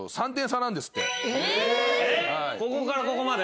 ここからここまで？